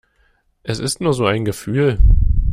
Es ist nur so ein Gefühl.